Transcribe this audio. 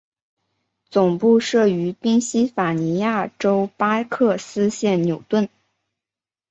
总部设于宾西法尼亚州巴克斯县纽顿。